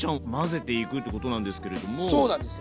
そうなんですよ。